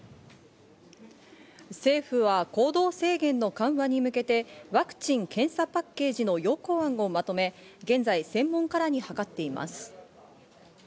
政府は行動制限の緩和に向けてワクチン・検査パッケージの要綱案をまとめ、現在専門家らに諮っています。